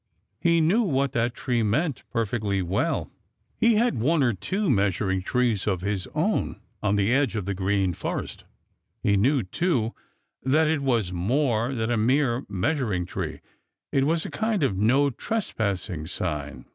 He knew what that tree meant perfectly well. He had one or two measuring trees of his own on the edge of the Green Forest. He knew, too, that it was more than a mere measuring tree. It was a kind of "no trespassing" sign.